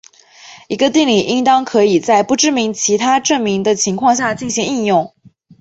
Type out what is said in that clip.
一个定理应当可以在不知道其证明的情况下进行应用。